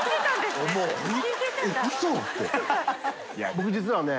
僕実はね